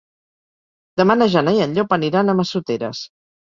Demà na Jana i en Llop aniran a Massoteres.